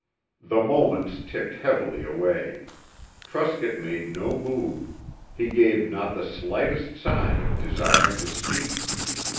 The moments ticked heavily away. Truscott made no move. He gave not the slightest sign of desiring to speak.